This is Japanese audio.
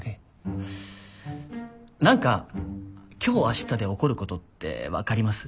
ハァ何か今日明日で起こることって分かります？